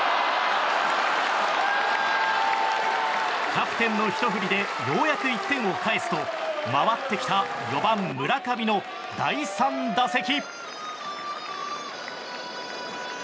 キャプテンのひと振りでようやく１点を返すと回ってきた４番、村上の第３打席。